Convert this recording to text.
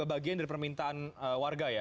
bagian dari permintaan warga ya